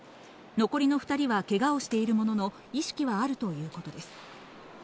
残りの２人はけがをしているものの、意識はあるということです。